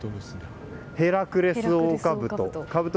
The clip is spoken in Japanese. ヘラクレスオオカブト。